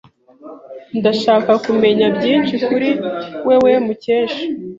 Ndashaka kumenya byinshi kuri wewe, Mukesha.